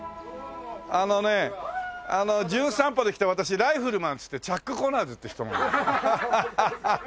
あのね『じゅん散歩』で来た私『ライフルマン』つってチャック・コナーズって人なんだけど。